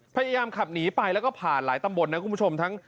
พยายามขับหนีไปแล้วก็ผ่านหลายตำบลนะคุณผู้ชม